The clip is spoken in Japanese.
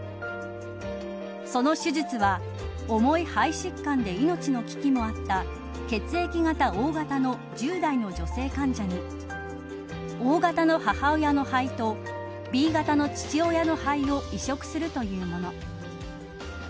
その手術は重い肺疾患で命の危機もあった血液型Ｏ型の１０代の女性患者にＯ型の母親の肺とＢ型の父親の肺を移植するというもの。